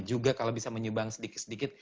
juga kalau bisa menyumbang sedikit sedikit